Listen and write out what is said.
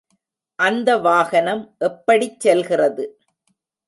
அந்த வாகனம் எப்படிச் செல்கிறது.